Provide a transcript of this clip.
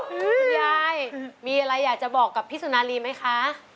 คุณยายมีอะไรอยากจะบอกกับพี่สุนารีไหมคะ